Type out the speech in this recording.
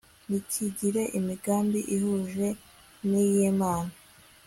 ntikigire imigambi ihuje n'iy'imana